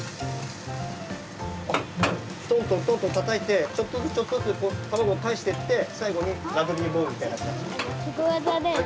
トントントントンたたいてちょっとずつちょっとずつたまごをかえしてってさいごにラグビーボールみたいな形に。